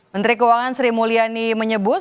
menteri keuangan sri mulyani menyebut